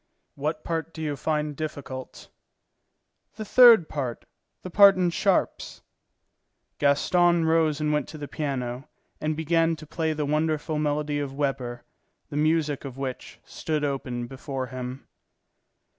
"What part do you find difficult?" "The third part, the part in sharps." Gaston rose and went to the piano, and began to play the wonderful melody of Weber, the music of which stood open before him.